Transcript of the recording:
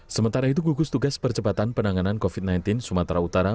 sementara itu gugus tugas percepatan penanganan covid sembilan belas sumatera utara